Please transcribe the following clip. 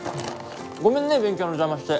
ごめんね勉強の邪魔して。